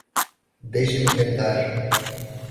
Deixe-me tentar!